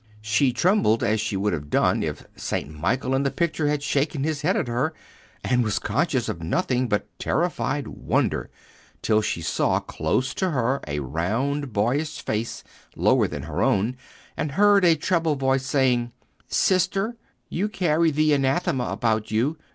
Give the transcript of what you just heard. She trembled as she would have done if Saint Michael in the picture had shaken his head at her, and was conscious of nothing but terrified wonder till she saw close to her a round boyish face, lower than her own, and heard a treble voice saying, "Sister, you carry the Anathema about you.